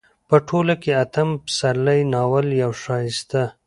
په ټوله کې اتم پسرلی ناول يو ښايسته